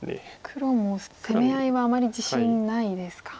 黒も攻め合いはあまり自信ないですか。